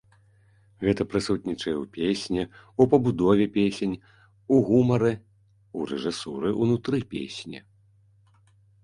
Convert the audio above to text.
Гэта прысутнічае ў песні, у пабудове песень, у гумары, у рэжысуры ўнутры песні.